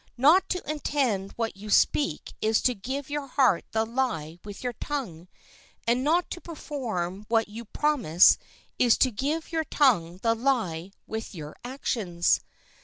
Not to intend what you speak is to give your heart the lie with your tongue; and not to perform what you promise is to give your tongue the lie with your actions.